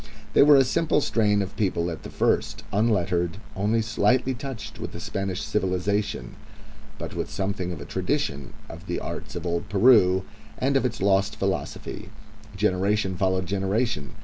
They were a simple strain of people at the first, unlettered, only slightly touched with the Spanish civilisation, but with something of a tradition of the arts of old Peru and of its lost philosophy. Generation followed generation.